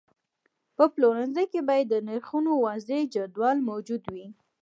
په پلورنځي کې باید د نرخونو واضحه جدول موجود وي.